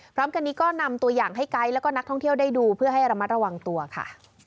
พร้อมกันนี้ก็นำตัวอย่างให้ไกด์แล้วก็นักท่องเที่ยวได้ดูเพื่อให้ระมัดระวังตัวค่ะ